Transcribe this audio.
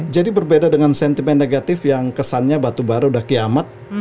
jadi berbeda dengan sentimen negatif yang kesannya batubara udah kiamat